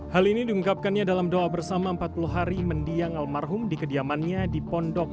hal ini diungkapkannya dalam doa bersama empat puluh hari mendiang almarhum di kediamannya di pondok